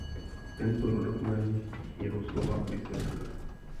Tento rodokmen jeho slova vysvětluje.